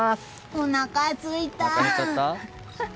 おなかすいた！